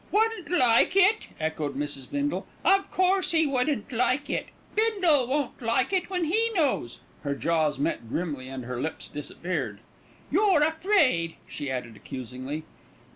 "Wouldn't like it!" echoed Mrs. Bindle. "Of course he wouldn't like it. Bindle won't like it when he knows," her jaws met grimly and her lips disappeared. "You're afraid," she added accusingly.